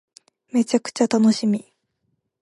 めちゃくちゃ楽しみ